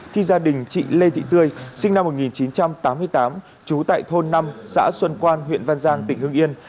khi gia đình chị lê thị tươi sinh năm một nghìn chín trăm tám mươi tám trú tại thôn năm xã xuân quan huyện văn giang tỉnh hương yên